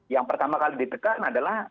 yang pertama kali ditekan adalah